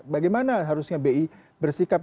bagaimana harusnya bi bersikap